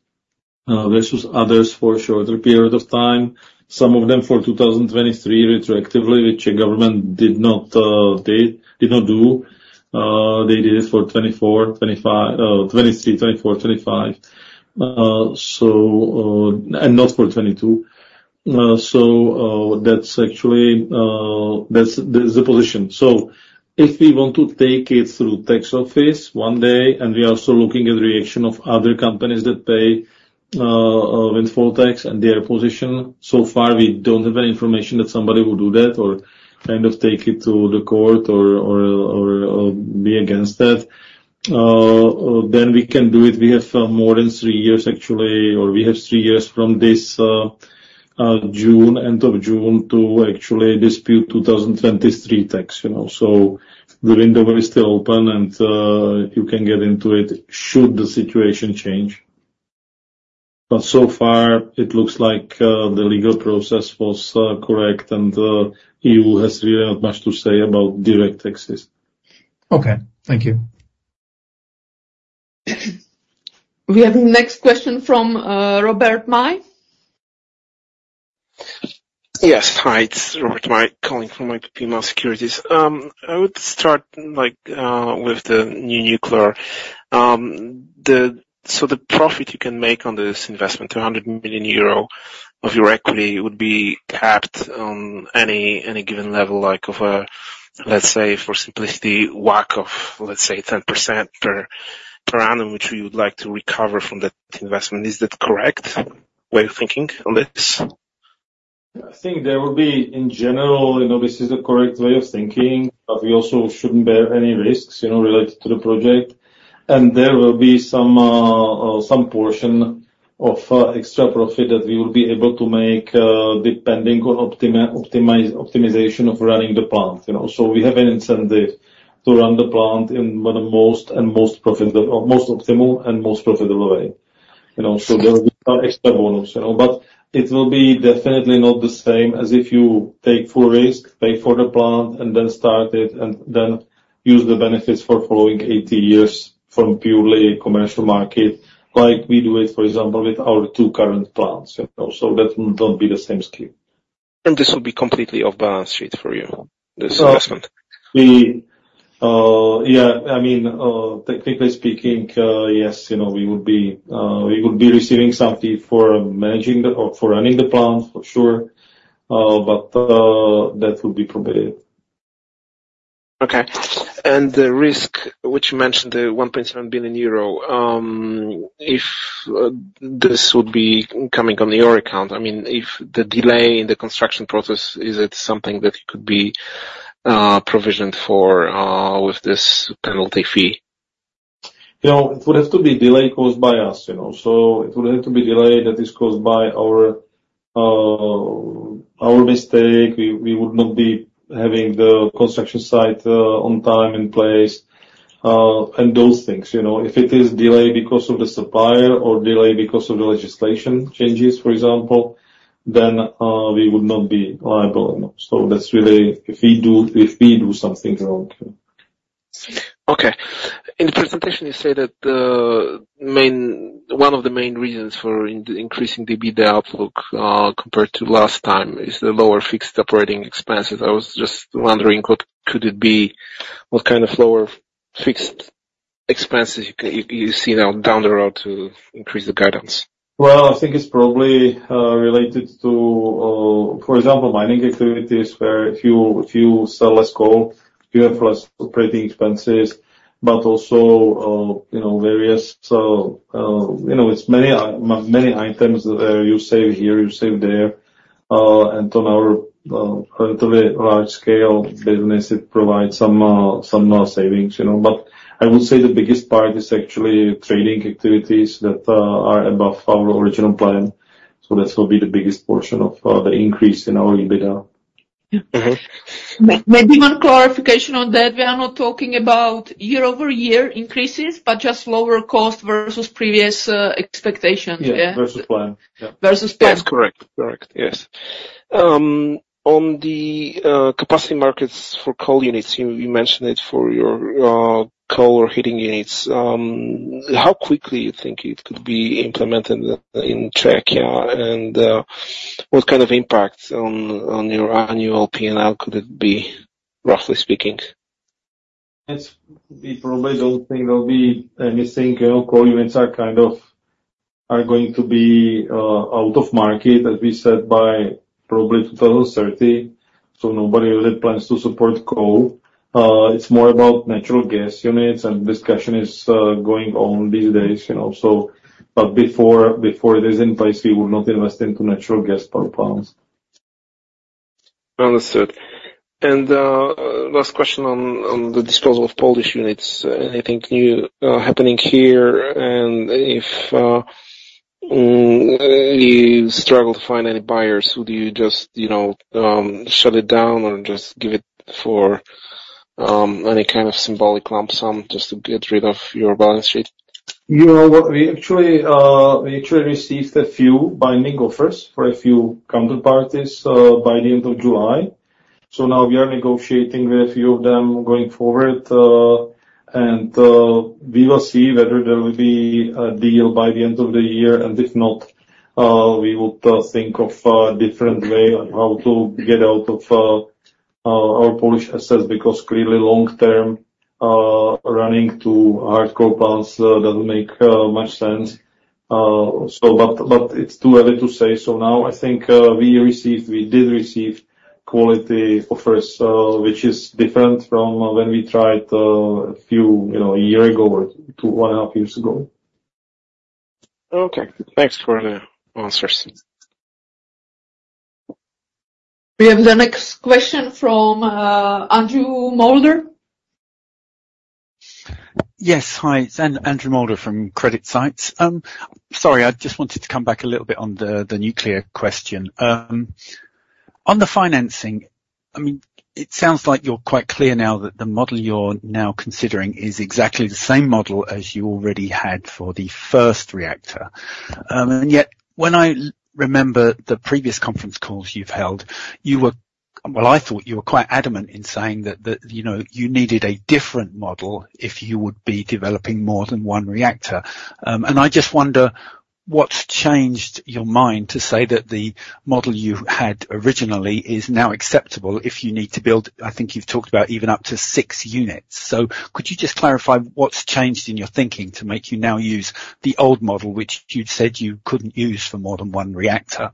versus others for a shorter period of time. Some of them for 2023, retroactively, the Czech government did not, they did not do. They did it for 2024, 2025, 2023, 2024, 2025, so, and not for 2022. So, that's actually, that's, that's the position. So if we want to take it through tax office one day, and we are also looking at the reaction of other companies that pay windfall tax and their position. So far, we don't have any information that somebody would do that or kind of take it to the court or be against that. Then we can do it. We have more than 3 years, actually, or we have 3 years from this June, end of June, to actually dispute 2023 tax, you know. So the window is still open, and you can get into it should the situation change. But so far, it looks like the legal process was correct, and EU has really not much to say about direct taxes. Okay, thank you. We have the next question from Robert Maj. Yes. Hi, it's Robert Maj, calling from Ipopema Securities. I would start, like, with the new nuclear. So the profit you can make on this investment, 200 million euro of your equity, would be capped on any, any given level, like of a, let's say, for simplicity, WACC of, let's say, 10% per, per annum, which we would like to recover from that investment. Is that correct way of thinking on this? I think there will be, in general, you know, this is the correct way of thinking, but we also shouldn't bear any risks, you know, related to the project. There will be some portion of extra profit that we will be able to make, depending on optimization of running the plant, you know. So we have an incentive to run the plant in one of the most and most profitable, or most optimal and most profitable way. You know, so there will be an extra bonus, you know, but it will be definitely not the same as if you take full risk, pay for the plant, and then start it, and then use the benefits for following eighty years from purely commercial market, like we do it, for example, with our two current plants, you know. That will not be the same scheme.... This will be completely off balance sheet for you, this investment? We, yeah, I mean, technically speaking, yes, you know, we would be, we would be receiving some fee for managing the, or for running the plant, for sure, but, that would be prohibited. Okay. The risk, which you mentioned, the 1.7 billion euro, if this would be coming on your account, I mean, if the delay in the construction process, is it something that you could be provisioned for with this penalty fee? You know, it would have to be delay caused by us, you know, so it would have to be delay that is caused by our, our mistake. We, we would not be having the construction site, on time in place, and those things, you know? If it is delayed because of the supplier or delayed because of the legislation changes, for example, then, we would not be liable. So that's really if we do, if we do something wrong. Okay. In the presentation, you say that one of the main reasons for increasing the EBITDA outlook, compared to last time, is the lower fixed operating expenses. I was just wondering, what could it be? What kind of lower fixed expenses you see now down the road to increase the guidance? Well, I think it's probably related to, for example, mining activities, where if you sell less coal, you have less operating expenses, but also, you know, various, you know, it's many items, you save here, you save there, and on our relatively large scale business, it provides some more savings, you know. But I would say the biggest part is actually trading activities that are above our original plan. So this will be the biggest portion of the increase in our EBITDA. Mm-hmm. Maybe one clarification on that. We are not talking about year-over-year increases, but just lower cost versus previous expectations. Yeah. Yeah, versus plan. Yeah. Versus plan. That's correct. Correct, yes. On the capacity markets for coal units, you mentioned it for your coal or heating units. How quickly you think it could be implemented in Czechia, and what kind of impact on your annual P&L could it be, roughly speaking? We probably don't think there'll be anything, you know. Coal units are kind of going to be out of market, as we said, by probably 2030, so nobody really plans to support coal. It's more about natural gas units, and discussion is going on these days, you know, so but before, before it is in place, we will not invest into natural gas power plants. Understood. Last question on the disposal of Polish units. Anything new happening here, and if you struggle to find any buyers, would you just, you know, shut it down or just give it for any kind of symbolic lump sum just to get rid of your balance sheet? You know what? We actually, we actually received a few binding offers for a few counterparties, by the end of July. So now we are negotiating with a few of them going forward, and, we will see whether there will be a deal by the end of the year, and if not, we would, think of a different way on how to get out of, our Polish assets, because clearly, long term, running two hard coal plants, doesn't make, much sense. So but, but it's too early to say. So now I think, we received- we did receive quality offers, which is different from when we tried, a few, you know, a year ago or two, 1.5 years ago. Okay, thanks for the answers. We have the next question from, Andrew Moulder. Yes, hi, it's Andrew Moulder from CreditSights. Sorry, I just wanted to come back a little bit on the nuclear question. On the financing, I mean, it sounds like you're quite clear now that the model you're now considering is exactly the same model as you already had for the first reactor. And yet, when I remember the previous conference calls you've held, you were... Well, I thought you were quite adamant in saying that you know, you needed a different model if you would be developing more than one reactor. And I just wonder, what's changed your mind to say that the model you had originally is now acceptable if you need to build, I think you've talked about even up to six units. So could you just clarify what's changed in your thinking to make you now use the old model, which you'd said you couldn't use for more than one reactor?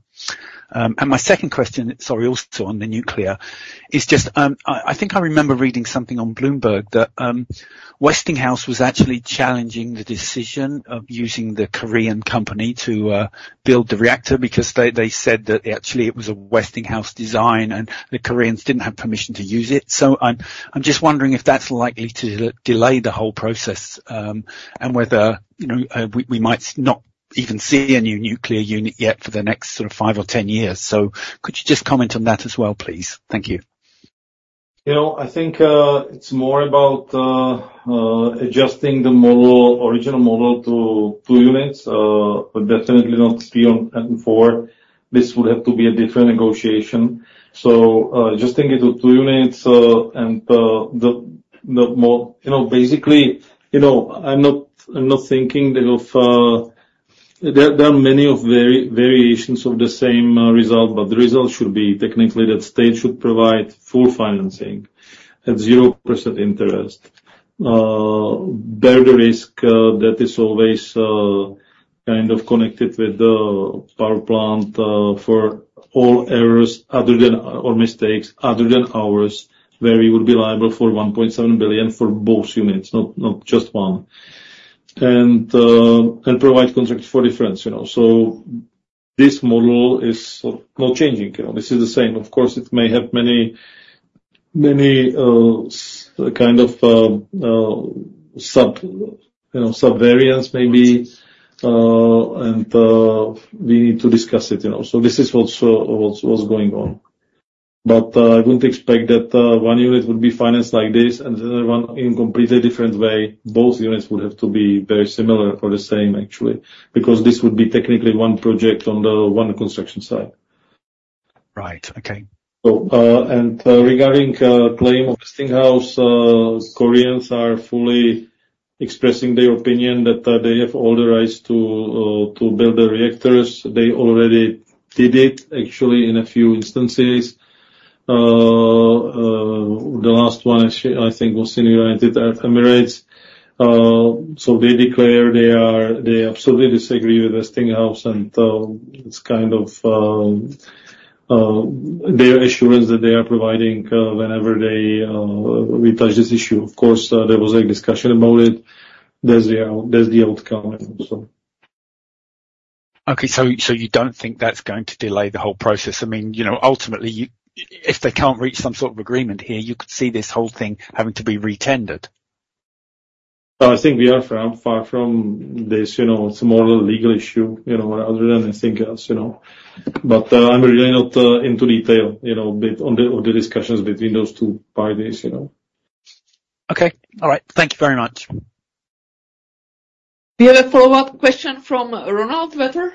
And my second question, sorry, also on the nuclear, is just, I think I remember reading something on Bloomberg, that Westinghouse was actually challenging the decision of using the Korean company to build the reactor, because they said that actually it was a Westinghouse design, and the Koreans didn't have permission to use it. So I'm just wondering if that's likely to delay the whole process, and whether, you know, we might not even see a new nuclear unit yet for the next sort of five or 10 years. So could you just comment on that as well, please? Thank you. You know, I think, it's more about, adjusting the model, original model to two units, but definitely not three and four. This would have to be a different negotiation. So, adjusting it to two units, and, the, the more... You know, basically, you know, I'm not, I'm not thinking that of... There, there are many of variations of the same, result, but the result should be technically that state should provide full financing at 0% interest. Bear the risk, that is always, kind of connected with the power plant, for all errors other than, or mistakes other than ours, where we would be liable for 1.7 billion for both units, not, not just one. And, and provide contracts for difference, you know. So this model is not changing, you know. This is the same. Of course, it may have many, many, kind of, you know, sub variants maybe, and, we need to discuss it, you know. So this is what's, what's going on. But, I wouldn't expect that, one unit would be financed like this and the other one in completely different way. Both units would have to be very similar or the same, actually, because this would be technically one project on the one construction site. Right. Okay. So, regarding claim of Westinghouse, Koreans are fully expressing their opinion that they have all the rights to build the reactors. They already did it, actually, in a few instances. The last one actually, I think, was in United Arab Emirates. So they declare they absolutely disagree with Westinghouse, and it's kind of their assurance that they are providing whenever we touch this issue. Of course, there was a discussion about it. There's the outcome, so. Okay, so you don't think that's going to delay the whole process? I mean, you know, ultimately, if they can't reach some sort of agreement here, you could see this whole thing having to be re-tendered. I think we are far, far from this, you know. It's more a legal issue, you know, other than anything else, you know? But, I'm really not into detail, you know, bit on the, on the discussions between those two parties, you know. Okay. All right. Thank you very much. We have a follow-up question from Roland Vetter.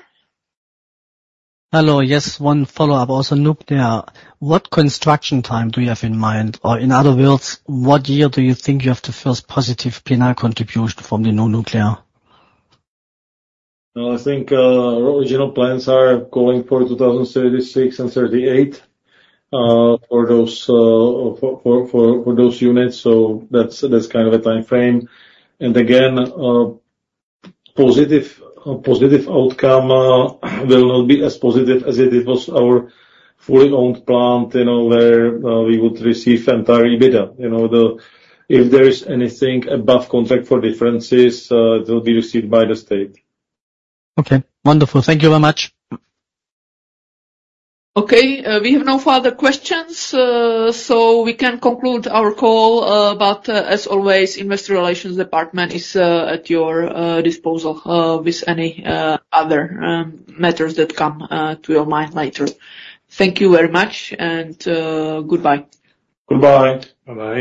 Hello. Yes, one follow-up. Also, nuclear, what construction time do you have in mind? Or in other words, what year do you think you have the first positive P&L contribution from the new nuclear? I think, our original plans are going for 2036 and 2038, for those units, so that's kind of a timeframe. And again, positive outcome will not be as positive as it was our fully owned plant, you know, where we would receive entire EBITDA. You know, the... If there is anything above contract for differences, it will be received by the state. Okay, wonderful. Thank you very much. Okay, we have no further questions, so we can conclude our call. But, as always, Investor Relations department is at your disposal with any other matters that come to your mind later. Thank you very much, and goodbye. Goodbye. Bye-bye.